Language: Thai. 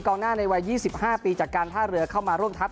หน้าในวัย๒๕ปีจากการท่าเรือเข้ามาร่วมทัพ